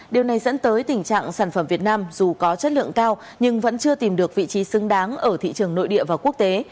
điều này dẫn tới tình trạng sản phẩm việt nam dù có chất lượng cao nhưng vẫn chưa tìm được vị trí xứng đáng ở thị trường nội địa và quốc tế